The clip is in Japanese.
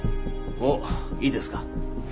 もういいですか？